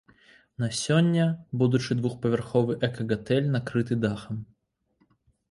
На сёння будучы двухпавярховы эка-гатэль накрыты дахам.